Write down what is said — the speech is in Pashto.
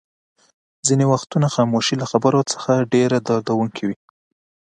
ځینې وختونه خاموشي له خبرو ډېره دردوونکې وي.